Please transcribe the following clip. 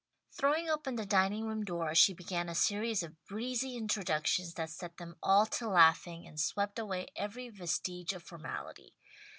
Throwing open the dining room door she began a series of breezy introductions that set them all to laughing and swept away every vestige of formality.